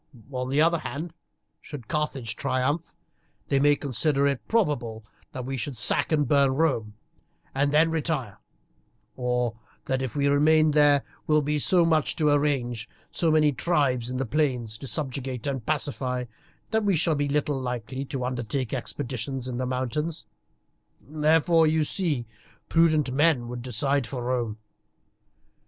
On the other hand, should Carthage triumph, they may consider it probable that we should sack and burn Rome and then retire, or that if we remain there will be so much to arrange, so many tribes in the plains to subjugate and pacify, that we shall be little likely to undertake expeditions in the mountains. Therefore, you see, prudent men would decide for Rome.